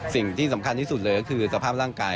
สิ่งที่สำคัญที่สุดเลยก็คือสภาพร่างกาย